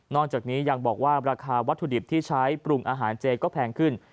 จากนี้ยังบอกว่าราคาวัตถุดิบที่ใช้ปรุงอาหารเจก็แพงขึ้น